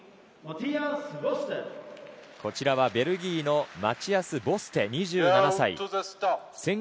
こちらはベルギーのマチアス・ボステ、２７歳。